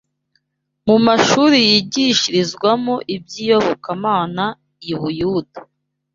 Mu mashuri yigishirizwamo iby’iyobokamana i Buyuda